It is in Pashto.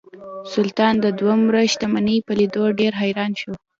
سلطان د دومره شتمنۍ په لیدو ډیر حیران شو.